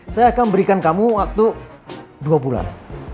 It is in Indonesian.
saya akan berikan kamu waktu dua bulan